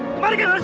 kemarikan anak saya